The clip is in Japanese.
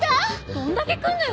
どんだけ来るのよ